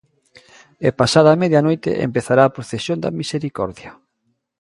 E pasada a media noite, empezará a procesión da Misericordia.